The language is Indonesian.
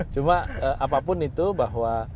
cuma apapun itu bahwa